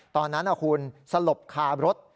ตอนนั้นคุณสลบคารถ